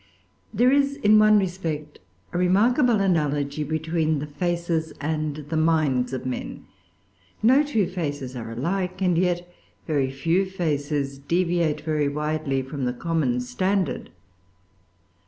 There is, in one respect, a remarkable analogy between the faces and the minds of men. No two faces are alike; and yet very few faces deviate very widely from the common standard.